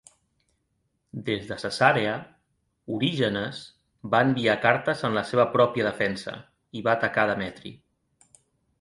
Des de Cesarea, Orígenes va enviar cartes en la seva pròpia defensa i va atacar Demetri.